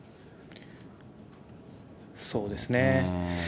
そうですね。